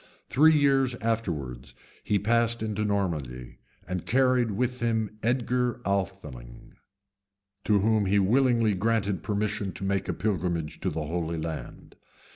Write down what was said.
Three years afterwards he passed into Normandy, and carried with him Edgar Atheling, to whom he willingly granted permission to make a pilgrimage to the Holy Land.